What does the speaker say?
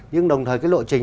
nhưng đồng thời cái lộ trình